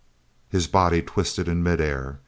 His body twisted in mid air.